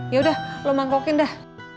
yaudah lo mangkokin dah